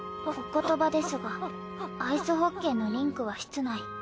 お言葉ですがアイスホッケーのリンクは室内。